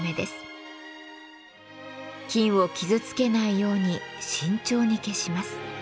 金を傷つけないように慎重に消します。